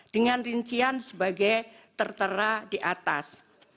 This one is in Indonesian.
dengan rincian sebagai tertera di atas